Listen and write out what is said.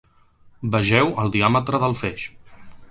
Vegeu el diàmetre del feix.